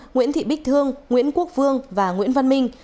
nguyễn thị bích thương nguyễn quốc vương và nguyễn văn minh